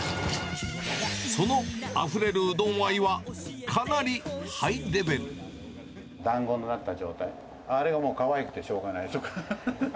そのあふれるうどん愛は、だんごになった状態、あれがもうかわいくてしょうがない。